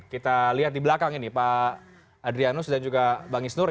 kita lihat di belakang ini pak adrianus dan juga bang isnur